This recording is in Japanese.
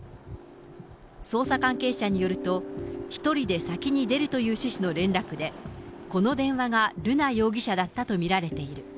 捜査関係者によると、１人で先に出るという趣旨の連絡で、この電話が瑠奈容疑者だったと見られている。